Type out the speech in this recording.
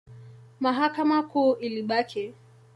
Mahakama Kuu ilibaki.